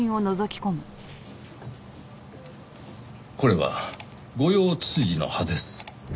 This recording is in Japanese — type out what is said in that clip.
これはゴヨウツツジの葉です。